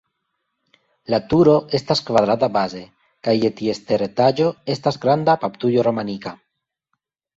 La turo estas kvadrata baze kaj je ties teretaĝo estas granda baptujo romanika.